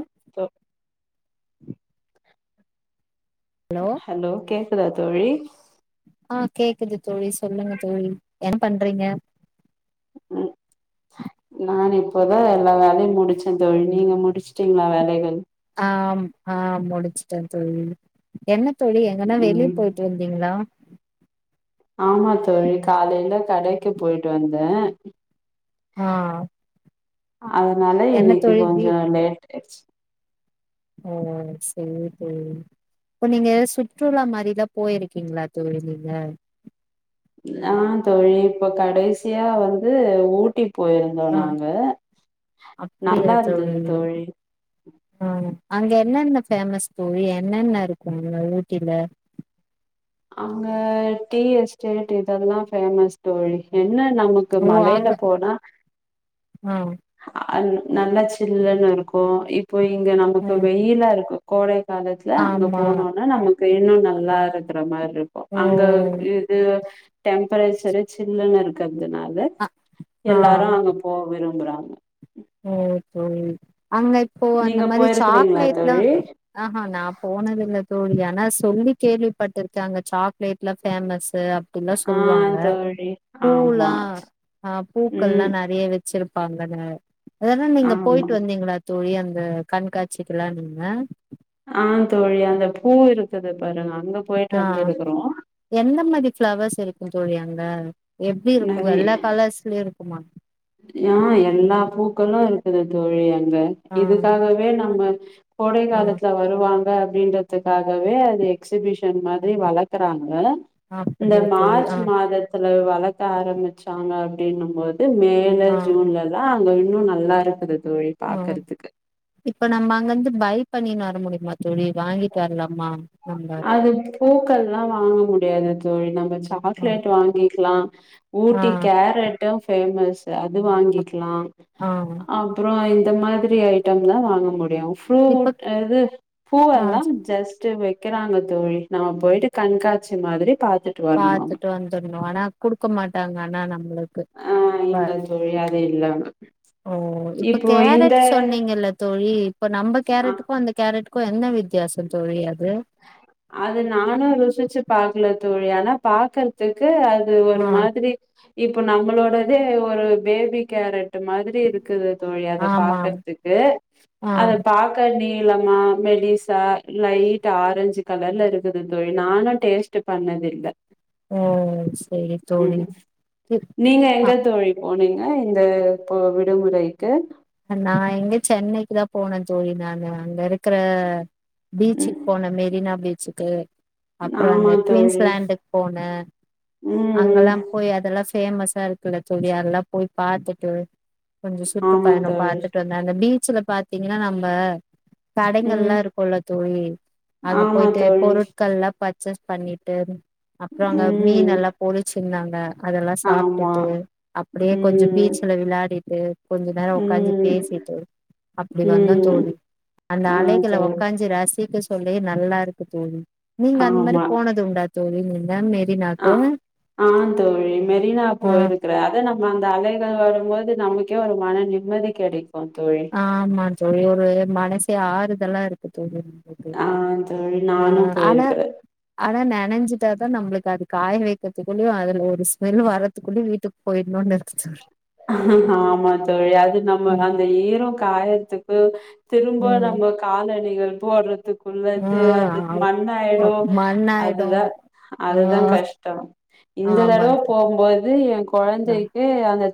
ம் ஹலோ கேக் க்குத தோழி ஆ கேக்குது தோழி சொல்லுங்க தோழி என்ன பண்றீங்க ம் நா இப்போ தா எல்லா வேலையும் முடிச்சே தோழி நீங்க முடிச்சுட்டீங்களா வேலைகள் ஆம் ஆ முடிச்சுட்டே தோழி என்ன தோழி எங்கன்ன வெளிய ம் போய்ட்டு வந்தீங்களா ஆமா தோழி காலையில கடைக்கு போயிட்டு வந்த ஆ அதனால என்ன இன்னிக்கு தோழி கொஞ்ச வீ லேட் [inaudible] ஓ சேரி தோழி இப்ப நீங்க சுற்றுலா மாரில போயிருக்கீங்களா தோழி நீங்க ஆ தோழி இப்ப கடைசியா வந்து ஊட்டி போயிருந்தோ ஆ நாங்க நல்லா இருந்துது தோழி ஆ அங்க என்னென்ன ஃபேமஸ் தோழி என்னென்ன இருக்கு அங்க ஊட்டில அங்க டி எஸ்டேட் இதெல்லா ஃபேமஸ் தோழி என்ன நமக்கு ஓ மலையில அங்க போனா ஆ நல்ல சில்லன்னு இருக்கு இப்ப இங்க ஓ நமக்கு வெயிலா இருக்கு கோடை காலத்துல அங்க ஆமா போனோன்னா நமக் இன்னு நல்லா இருக்கிற மாரி இருப்போ ஓ அங்க இது டெம்பரேச்சரு சில்லின்னு இருக்கு அதனால அ ஆ எல்லாரு அங்க போக விரும்புறாங்க ஓ தோழி அங்க இப்போ அந்த நீங்க மாரி போயிருக்கிறீங்களா சாக்லேட்லா தோழி ஆஹா நா போனது இல்ல தோழி ஆனா சொல்லி கேள்விப்பட்டிருக்க அங்க சாக்லேட்லா ஃபேமஸ் அப்டில்லாம் ஆ சொல்லுவாங்க தோழி ஆமா பூலாம் ஆ ம் பூக்கள்லாம் நெறைய வெச்சிருப் பா அங்க இருக்கங்க அதனா நீங்க ஆமா போயிட்டு வந்தீங்களா தோழி இந்த கண்காட்சிக்குல்லா நீம ஆஹ் தோழி அந்த பூ இருக்குது பாருங்க அங்க போயிட்டு ஆஹ் வந்திருக்கிறோ எந்த மாரி பிளவர்ஸ் இருக்கு தோழியாங்க எப்டி இருக்கு நெறைய எல்லா கலர்ஸ்லயும் இருக்குமா ஆ எல்லா பூக்களு இருக் அ தோழி ஆ இதுக்காகவே நம்ம கோடை ஆ காலத்துல வருவாங்க அப்படின்றதுக்காகவே அது எக்ஸிபிஷன் மாதிரி வளர்க்குறாங்க இந்த அப்படியா தோழி மார்ச் ஆ மாதத்துல வளர்க்க ஆரம்பிச்சாங்க அப்பிடனு போது மே ஏ ஆ ஜூன்லதா அங்க இன் இன்னு நல்லா இருக்குது தோழி ஹம் பாக்கறதுக்கு இப்ப நம்ம அங்க வந்து பை பண்ணிணு வர முடிய அமா தோழி வாங்கி தரலம்மா அது பூக்கள்ளா வாங்க முடியாது தோழி நம்ம ஆ சாக்லேட் வாங்கிக்கலா ஆ ஊட்டி கேரட்டு பேஃமஸ் அது வாங்கிக்கலா ஆ அப்புற இந்த மாதிரி ஐட்ட தா வாங்க முடியு ஃப்ரூட் இப்ப அது ஆ பூவேல்லாம் ஜஸ்ட்ட் வை வைக்கிறாங்க தோழி நம்ம போயிட்டு கண்காட்சி மாதிரி பாத்துட்டு வரணும் பாத்துட்டு வந்துடனு ஆனா குடுக்க மாட்டாங்க ஆனா நம்ம ஆ இல்ல தோழி அது இல்லாம ஓ இப்ப இப்போ இந்த கேரட் சொன்னீங்கல்ல தோழி இப்ப நம்ப அ கேரட்டுக்கு அந்த கேரட் கோ என்ன வித்தியாச தோழி அது அது நானு ருசிச்சு பாக்கல தோழி ஆனா பாக்கறதுக் து அது ஒரு ஆ மாதிரி இப்போ நம்மளோடதே ஒரு பேபி கேரட் மாதிரி இருக்குது தோழி அத ஆமாம் பாக்கறதுக்கு ஆ அத பக்க நீ நளமா மெடிசா லைட் ஆரஞ்சு கலர்ல இருக்குது தோழி நானு டேஸ்டு பண்ணது இல்ல ஊம் செரி தோழி உ நீங்க எங்க அஹ் தோழி போனீங்க இந்த இப்போ விடுமுறைக்கு நா எங்க சென்னைக்கு தா போனே தோழி நானு அங்க இருக் க்கற ம் பீச்சுக்கு போன மெரினா பீச் ச்சுக்கு அப்றோ அந்த ஆமா தோழி குவீன்ஸ்லேண்டுக்கு போனே ம் அங்கெல்லா போய் அதெல்லா சுத் பேமஸா இருக்குல்ல தோழி அதெல்லா போய் பாத்துட்டு கொஞ்ச சுற்று ஆமா பயணம் தோழி பாத்துட்டு வந்தோ அந்த பீச் பீச்ல பாத்தீங்கன்னா நம்ப ம் கடைங்கல்லா இருக்குல்ல தோழி அங்க ஆமா போய்ட்டு தோழி பொருட்கள்லா பர்ச்சேஸ் பண்ணீட்டு அப்றோ அங்க மீன் ம் எல்லா பொரிச்சு இருந்தாங்க அதெல்லா ஆமா சாப்ட்டுட்டு அப்டியே கொஞ்சோ ம் பீச்சல விளாடீட்டு கொஞ்ச நேரோ ஒக்காந்து ம் பேசீட்டு அப்டி வந்தோ ம் தோழி அந்த ஆ அலைகல தோழி உக்காஞ்சி ரசிக்க தோழி நல்லா இருக்கு தோழி நீங்க அந்த மாரி போனது உண்டா சோ நீங் எல்லாமே நே அ ஆ தோழி மெரினா ஆ போயிருக்கிறே அத நம்ம அந்த அலைகள் வரும்போது நமக் க்க ஒரு மன நிம்மதி கெடைக் ஆமா தோழி ஒரு மனசு ஆறுதலா இருக்கு தோழி உங்களுக்கு ஆ தோழி நானு போயிருக்றே நணஞ்சிட்டாதா நம்மளுக்கு அது காய வக்கிறதுக்குள்ளயு அதுல ஒரு ஸ்மெல் வரதுக்குள்ளயு வீட்டுக்கு போயிடணும்னு இருக் தோழி ஆ ஆமா தோழி அது அது நம்ம ம் அந்த ஈரோ காய துக்கு திரும்ப ம் நம்ப காலணிகள் போடுறதுக் குள்ளது அது ஆ மண் ஆயிடு மண்ணாயிடு அதுதா ஆ அதுதா கஷ்டோ இந்த ஆமா தடவ தோழி போம்போது என் ஆ. கொழந்தைக்கு அந்த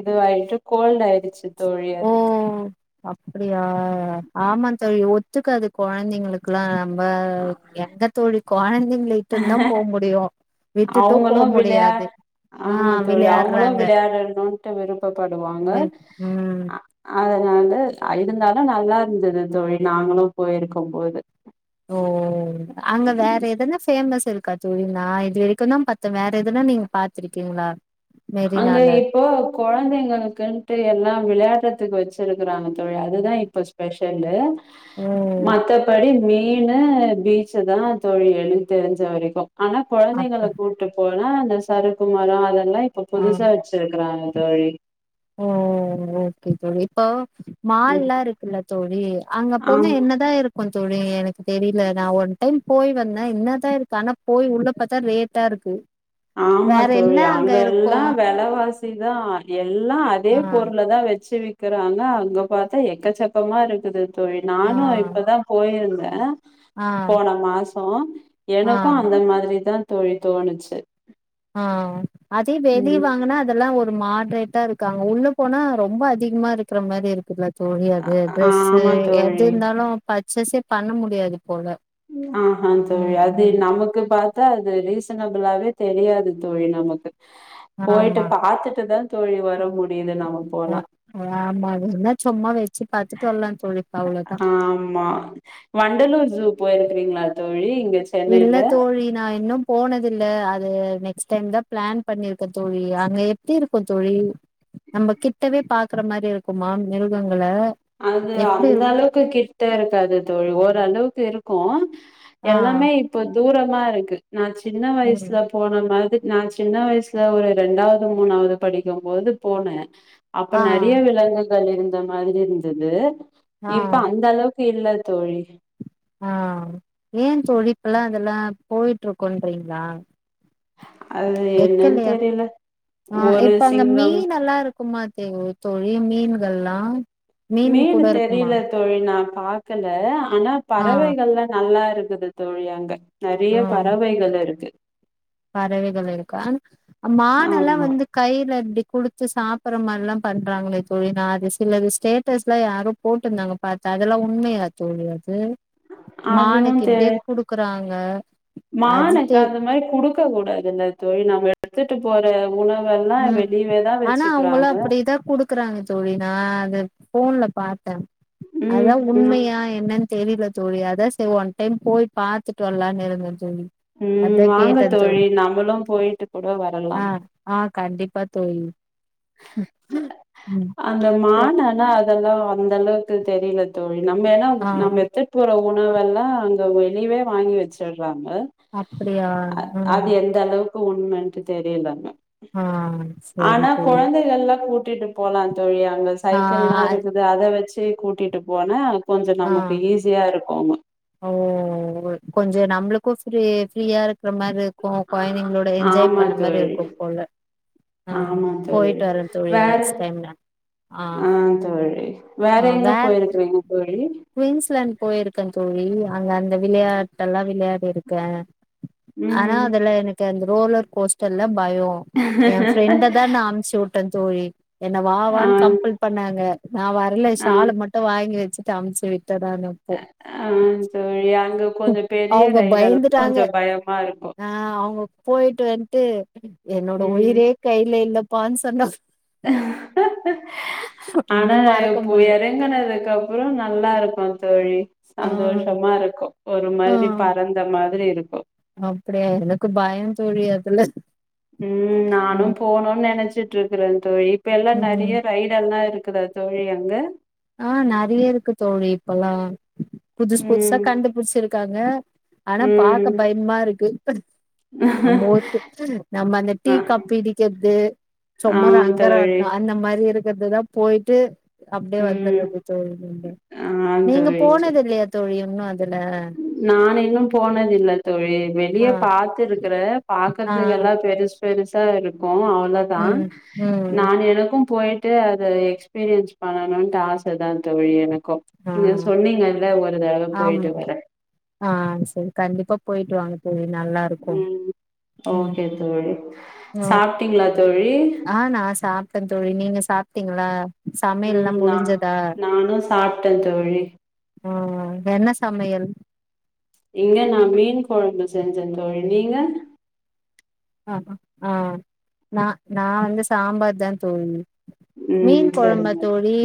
இது ஆயிட்டு கோல்டு ஆய் ஓ அப்டியா ஆ ஆமா தோழி ஒத்துக்காது கொழந்தைங்களுக்குல்லா ரொம்ப எங்க தோழி கொழந் விட்டுட்டு போ அவுங்களும் விளையா முடியாது ஆ ஆமா தோழி அவுங்களும் விளையாடுறாங்க விளையாடணும்ட்டு விருப்பப்படுவாங்க உம் அ- அதனால அ இருந்தாலும் நல்லா இருந்தது தோழி நாங்களும் போயிருக்கும் போது ஓ அங்க வேற எதனா ஃபேமஸ் இருக்கா தோழி நா இது வரைக்கும் தான் பத்து வேற எதுனா நீங்க பாத்துருக்கீங்களா அங்க இப்போ கொழந்தைங்களுக்குட்டு எல்லாம் விளையா ளத்துக்கு வச்சிருக்கறாங்க தோழி அதுதான் இப்ப ஸ்பெஷல்லு ஓ மத்தபடி நீ மீனு பீச்சு தான் தோழி எனக் தெரிஞ்ச வரைக்கும் ஆனா கொழந்தைகள அப்ப கூட்டு போ னா அந்த சருக்குமரம் அதெல்லா இப்ப ஆ புதுசா வச்சிருக்கறாங்க தோழி ஓ ஓகே தோழி இப்ப ம் மால்லா இருக்குல்ல தோழி அங்க போனு ஆம் என்னதான் இருக்கும் தோழி எனக்கு தெரியல நா ஒன் டைம் போய் வந்தேன் என்னதான் இருக்கு ஆனா போய் உள்ள பாத்தா ரேட்டா இருக்கு ஆமா வேற தோழி என்ன அங்க இருக்கு எல்லாம் விலவா சிதான் அதி எல்லா அதே ஆ பொருல தான் வச்சு வி க்கிறாங்க அங்க பாத்தா எக்கச்சக்கமா இருக்குது தோழி ஆ நானும் இப்பதான் போயிருந்தேன் ஆ ஆ போன மாசம் ஆ எனக்கும் அந்த மாரிதான் தோழி தோணிச்சு ஆஹ் அதே வெளிய ம் வாங்குனா அதெல்லாம் ஒரு மா ரேட்டா இருக்காங்க உள்ள போனா ரொம்ப அதிகமா இருக்கிற மாரி இருக்குது தோழி அது ட்ரெஸூ ஆமா எது தோழி இருந்தாலும் பா சச பண்ண முடியாது போல ம் ஆஹ்ஹ தோழி ம் அது ம் நமக்கு பாத்தா அது ரீ சனபுலாகவே தெரியாது தோழி நமக்கு போயிட்டு ஆமா பாத்துட்டுதா தோழி வர முடி திது நம்ம அ போனா ஆமா அது என்ன சும்மா வே ஆ ஆமா வண்டலூர் ஜூ போய் ரிங்களா தோழி இங்க இல்ல சென்னைல தோழி நா இன்னு போனதில்ல அது நெக்ஸ்ட் டைம் தா பிளான் பண்ணியிருக்க தோழி அங்க எப்டி இருக்கோ தோழி நம்ம கிட்டவே பாக்குற மாரி இருக்குமா மிருகங்கள அது எப்டி இரு அந்த அளவுக்கு கிட்ட இருக்காது தோழி ஓரளவுக்கு இரு கோ ஆ எல்லாமே இப்போ தூரம் ம இருக்கு நா சின்ன ம் வயசுல போன மாது நா சின்ன வயசுல ஒரு ரெண்டாவது மூணாவது படிக்கும் போது போன அப்போ ஆ நற்யா விலங்குகள் இருந் ந்த மாரி இருந் தது ஆ இப்ப அந்த அளவுக் இல்ல தோழி ஆ ஏன் தோழி இப்போ எல்லா அதெல்லா போய்ட்டு இருக்கோறீங்களா அது என்னனு தெரில ஒரு சிங்கம் தும்மா [unintelligible] தோழி மீன்கள்லா மீன் மேல கூட இருக்குமா தெரியல தோழி நா பாக்கல ஆனா ஆ பறவைகள்லா நல்லா இரு இருக்குது தோழி அங்க ஆ நற்ய பறவைகள் இருக்கு பறவைகள் இருக்க மானெல்லா ஆமா வந்து கைல எப்டி குடுத்து சாப்பற மாரிலா பண்றாங்களே தோழி நா அது சிலது ஸ்டேட்டஸ் லா யாரோ போட்டிருந்தாங்க பாத்தே அதெல்லா உண்மையா தோழி அது அதுவு மானுக்கு இப்டே குடுக்குறாங்க அஜித்து க்க கூடாதுல்ல தோழி நம்ம எடுத்துட்டு போற உணவு ம் ஆனா அவுங்களு அப்டிதா குடுக்குறாங்க தோழி நா அது போன்ல பாத்தே அத ம் உண்மையா என்ன தெரில தோழி அதா செரி ஒன் டைம் போய் பாத்துட்டு வர்லான் இருந்தே தோழி உம் அதா வாங்க கேட்டே தோழி நம்மளு போயிட்டு கூட ஆ வரலாம் ஆ கண்டிப்பா தோழி ம் அந்த ச மானலா அதெல்லா அந்த அளவுக்கு தெரியல தோழி நம்மெடம் ஆ நம்ம எட்த்துட் போறோ உணவெல்லா அங்க வெளிய்வே வாங்கி வச்சுர்றா ஹலோ அப்படியா அ அது ம் எந்த அளவுக்கு உண் உம் நன்றி தெரியலாமே ஆஹ் சேரி தோ கொழந்தைகள்லா கூட் விட்டுட்டுப் போலாங் இதோயே அங்க ஆ சைக்கிள்லா இருக்குது அத வெச்சு த்ரி கூட்டிட்டு போனா கொஞ்ச ஆ நமக்கு ஈஸியா இருக்குமா ஓ கொஞ் ஏ நம்ளுக்கு ஃப்ரி ஃப்ரியா இருக்ற மாரி கொ கொழந்தைங்களோட என்ஜாய் ஆமா பண்ண மாரி தோழி இருக்கு போல ஆஹ் ஆமா தோழி போய்ட்டு வரே தோழி வேற நெக்ஸ்ட் டைம் நா ஆஹ் ஆ தோழி வேற அஹ் எங்க வேற் போயிருக்கிறீங்க தோழி குயின்ஸ்லாண்ட் போய்ருக்க தோழி யா அங்க அந்த விளையாட்டெல்லா விளையாட் இருக்க ஆனா ம் அதுல எனக்கு அந்த ரோலர் கோஸ்டல்லாம் பயோ எ ஃப்ரெண்ட தா நா அம்ச்சுட்டேத் தோழி என்ன ஆ வாவான் கம்பள் பண்ணாங்க நா வர்ல ஆ சால மட்டு வாங்கி வச் ஸ் அஹ் டாம் அன் செரி தொடாமே போ ஆஹ் தோழி அங்க உம் கொஞ்சோ பெரிய அவ்ங்க ரைடெல்லா பயந்துட்டாங்க கொஞ்சோ பயமா இருக்கு ஆஹ் அவ்ங்க போயிட்டு வந்ட்டு [unintelligible] என்னோட ம் உயிரே கைல இல்லத் இப்ப வந்து சொன்னப் ஆனா இன்னு மறக்க இப்போ முல்ல எறங்குனதுக்கப்ற நல்லா இருக்கு தோழி ஆ சந்தோஷமா இருக்கு ஒரு மாதிரி பறந்த மாதிரி இருக் அப்டியா எனக்கு பயம் தோழி அ தில்ல உம் நானு போணுன் நெனச்சு கேக்குதாங்க தோழி இப்பெல்லா ம் நெறைய ரைடெல்லா இருக் க்குதா தோழி அங்க ஆஹ் நெறைய இருக்கு தோழி இப்பெல்லா புதுசு புதுசா ம் கண்டுபுடிச்சுருக் க்காங்க ஆனா பாக்க ம் பய்ம்மா இருக்கு நம்போத்து நம்ம அந்த டீ அ கப் பிடிக்கற்து ஆ சும்மா தோழி ரங்கராட்ன அந்த மாரி இருக் இதுதா போய்ட்டு அப்டியே வந் ம் துர்றது தோழி மீண்டு ஆ நீங்க போனதில்லயா தோழி இன்னு அந் வேறென்ன நா இன்னு போனதில்ல தோழி வெளிய ஆ பாத்திருக்குறே ஆ பாக்கறத்துக்கு எல்லா பெருசு பெருசா இருக் கவனோ அவ்ளோதா ம் நா ம் எனக்கு போய்ட்டு அத எக்ஸ்பீரியன்ஸ் பண்ணணும்ட்டு ஆச தா தோழி எனக் கு ஆ நீங்க சொன்னீங்கல்ல ஒரு தடவ போய்ட்டு வரே ஆஹ் செரி கண்டிப்பா போய்ட்டு வாங்க தோழி நல்லாருக்கு ம் உம் ஓகே தோழி நா சாப்ட்டீங்களா தோழி ஆஹ் நா சாப்ட்டே தோழி நீங்க சாப்ட்டீங் களா உம் நா நானு சாப்ட்டேத் தோழி உம் என்ன சமையல் இங்க நா மீன் கொழம்பு செஞ்சே தோழி நீங்க ஆஹ் ஆஹ் நா நா வந்து சாம்பார் தா தோழி மீன் ம் கொழம்பா சரிங்க தோழி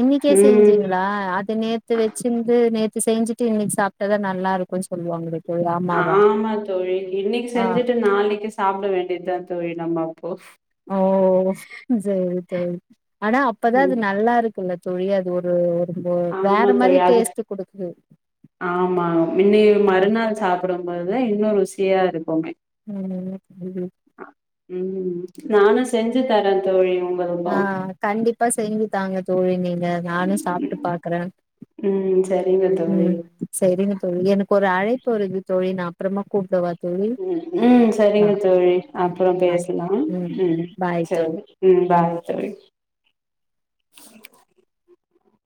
இன்னைக்கே ம் செஞ்சீங்களா அத நேத்து வெச்சிருந்து நேத்து செஞ்சு சு இன்னைக்கு சாப்ட்டாதா நல்லா இருக்குன் சொல்லுவாங்களே தோழி ஆமாவா ஆமா தோழி இன்னிக்கு ஆ செஞ்சுட்டு நாளிக்கு சாப்ட வேண்டியதுதா தோழி நம்ம அப்போ ஓ சேரி தோழி ஆனா அப்பதா அது ம் நல்லா இருக்குல்ல தோழி அது ஒரு வந்து வேற ஆமா மாரி தோழி அது டேஸ்ட்டு குடுக்கு ஆமா [unintelligible] மறுநாள் சாப்பிடும் போதுதா இன்னொரு ருசியா இருக்குமே உம் உம் உம் நானும் செஞ்சு தர தோழி உங்களுக்கு ஆஹ் கண்டிப்பா செஞ்சு தாங்க தோழி நீங்க நானும் சாப்பிட்டு பாக்குற உம் செரிங்க தோழி செரிங்க எனக்கு ஒரு அழைப்பு வருது தோழி நா அப்புறமா கூப்புடவ உம் உம் செரிங்க தோழி ம் அப்புறம் ஆ பேசலாம் ம் உம் பாய் தோழி செரி உம் பாய் [unintelligible]